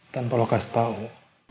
dan polokas tau